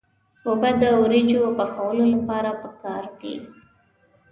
اوبه د وریجو پخولو لپاره پکار دي.